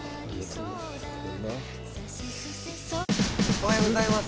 おはようございます。